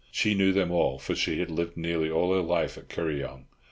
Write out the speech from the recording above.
She knew them all, for she had lived nearly all her life at Kuryong.